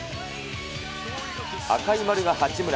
赤い丸が八村。